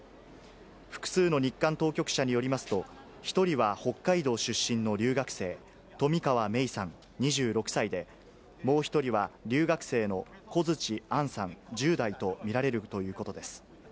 複数の日韓当局者によりますと、１人は北海道出身の留学生、冨川芽生さん２６歳で、もう１人は、留学生のコヅチ・アンさん１０代と見られるということです。